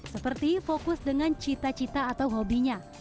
seperti fokus dengan cita cita atau hobinya